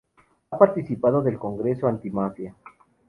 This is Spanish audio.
Ha participado del Congreso Antimafia.